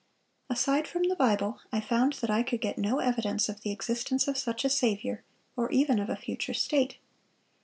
Aside from the Bible, I found that I could get no evidence of the existence of such a Saviour, or even of a future state....